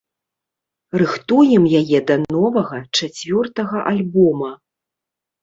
Рыхтуем яе да новага, чацвёртага альбома.